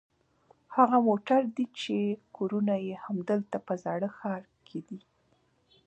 هغه موټر دي چې کورونه یې همدلته په زاړه ښار کې دي.